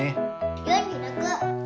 ４６。